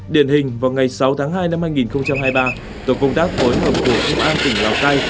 điển hình vào ngày sáu tháng hai năm hai nghìn hai mươi ba tổ công tác phối hợp với công an tỉnh lào cai